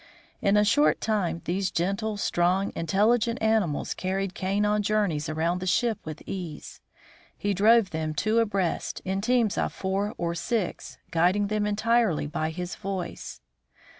In a short time these gentle, strong, intelligent animals carried Kane on journeys around the ship with ease. He drove them two abreast, in teams of four or six, guiding them entirely by his voice.